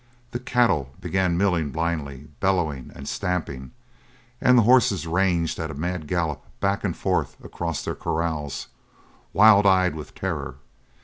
The cattle began milling blindly, bellowing and stamping, and the horses ranged at a mad gallop back and forth across their corrals, wild eyed with terror.